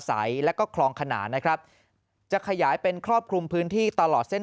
ใสแล้วก็คลองขนานนะครับจะขยายเป็นครอบคลุมพื้นที่ตลอดเส้น